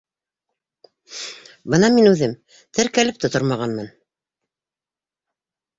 Бына мин үҙем... теркәлеп тә тормағанмын.